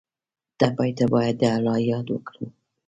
ټپي ته باید د الله یاد ورکړو.